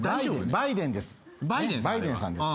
バイデンさんです。